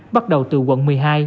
bắt đầu từ quận một mươi hai